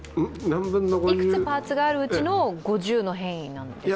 いくつパーツがあるうちの５０の変異なんでしょうか。